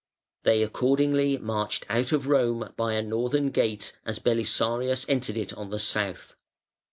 They accordingly marched out of Rome by a northern gate as Belisarius entered it on the south.